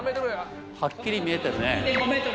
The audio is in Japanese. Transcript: はっきり見えてるね。